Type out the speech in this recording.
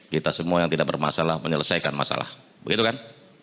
kita semua yang tidak bermasalah menyelesaikan masalah begitu kan